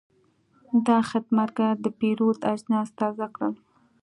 دا خدمتګر د پیرود اجناس تازه کړل.